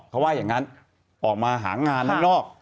เขาว่าอย่างนั้นออกมาหางานข้างนอก